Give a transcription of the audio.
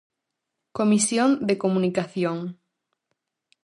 Comisión de Comunicación.